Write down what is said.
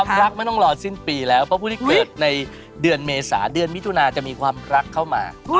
รักไม่ต้องรอสิ้นปีแล้วเพราะผู้ที่เกิดในเดือนเมษาเดือนมิถุนาจะมีความรักเข้ามา